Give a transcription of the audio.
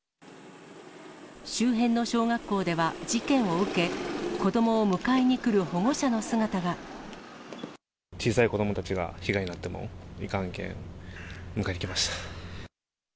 周辺の小学校では事件を受け、小さい子どもたちが被害に遭ってもいかんけん、迎えに来ました。